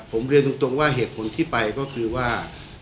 ผมเรียนตรงว่าเหตุผลที่ไปก็คือว่า